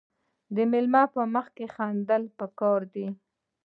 د میلمه په مخ کې خندل پکار دي.